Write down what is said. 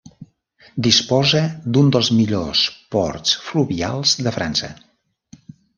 Disposa d'un dels millors ports fluvials de França.